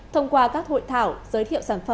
thông qua các hội thảo giới thiệu sản phẩm